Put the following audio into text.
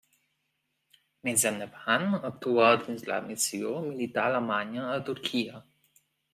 Més endavant actuà dins la missió militar alemanya a Turquia.